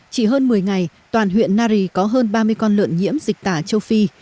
chỉ hơn một mươi ngày toàn huyện nari có hơn ba mươi con lợn nhiễm dịch tả châu phi